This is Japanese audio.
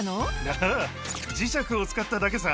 あぁ磁石を使っただけさ。